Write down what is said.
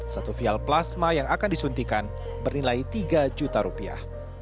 satu vial plasma yang akan disuntikan bernilai tiga juta rupiah